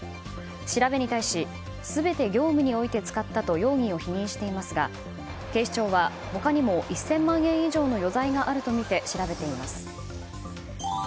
調べに対し全て業務において使ったと容疑を否認していますが警視庁は他にも１０００万円以上の余罪があるとみて調べています。